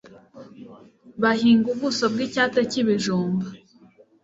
bahinga Ubuso bw icyate k ibijumba